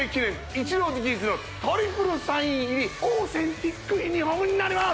イチロー直筆のトリプルサイン入りオーセンティックユニフォームになります